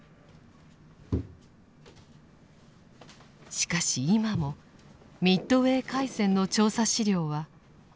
しかし今もミッドウェー海戦の調査資料は捨てられずにいます。